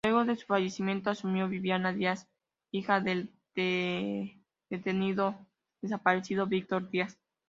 Luego de su fallecimiento asumió Viviana Díaz, hija del detenido desaparecido Víctor Díaz.